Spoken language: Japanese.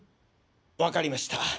わかりました。